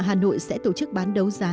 hà nội sẽ tổ chức bán đấu giá